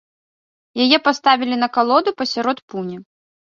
Яе паставілі на калоду пасярод пуні.